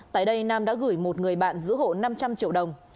tại đây nam đã gửi một người bạn giữ hộ năm trăm linh triệu đồng